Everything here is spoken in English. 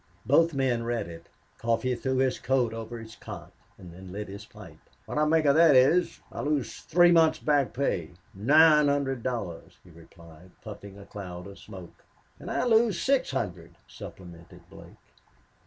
Both men read it. Coffee threw his coat over on his cot and then lit his pipe. "What I make of this is I lose three months' back pay... nine hundred dollars," he replied, puffing a cloud of smoke. "And I lose six hundred," supplemented Blake.